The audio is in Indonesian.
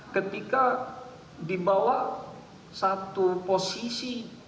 ketika dibawa satu posisi